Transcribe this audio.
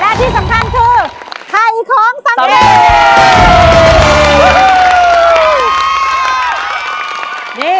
และที่สำคัญคือไข่โค้งสังเกต